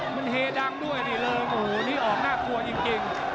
มันเฮดังด้วยนี่เลยโอ้โหนี่ออกน่ากลัวจริง